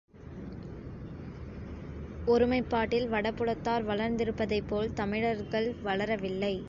ஒருமைப்பாட்டில் வடபுலத்தார் வளர்ந்திருப்பதைப் போல் தமிழர்கள் வளரவில்லை.